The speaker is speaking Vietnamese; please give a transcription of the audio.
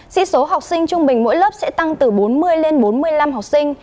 sĩ số học sinh trung bình mỗi lớp sẽ tăng từ bốn mươi lên bốn mươi năm học sinh